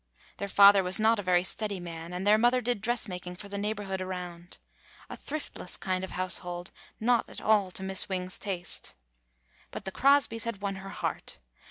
Their father was not a very steady man, and their mother did dressmaking for the neigh borhood around. A thriftless kind of house hold, not at all to Miss Wing's taste. But the Crosbys had won her heart.